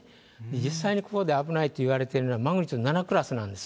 実際にここで危ないといわれているのは、マグニチュード７クラスなんです。